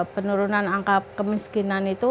penurunan angka kemiskinan itu